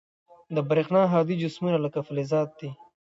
د برېښنا هادي جسمونه لکه فلزات دي.